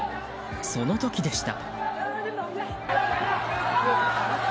その時でした。